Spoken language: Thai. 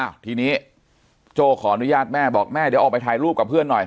ทีนี้โจ้ขออนุญาตแม่บอกแม่เดี๋ยวออกไปถ่ายรูปกับเพื่อนหน่อย